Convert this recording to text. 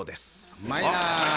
うまいな。